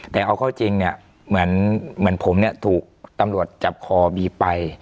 แต่เอาเข้าจริงเนี่ยเหมือนผมเนี่ยถูกตำรวจจับคอบีไป